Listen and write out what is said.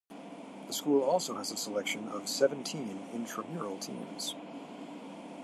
The school also has a selection of seventeen intramural teams.